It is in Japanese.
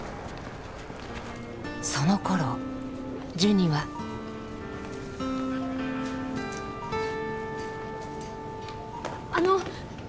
そのころジュニはあの！